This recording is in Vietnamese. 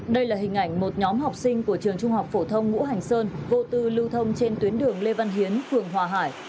đây là hình ảnh một nhóm học sinh của trường trung học phổ thông ngũ hành sơn vô tư lưu thông trên tuyến đường lê văn hiến phường hòa hải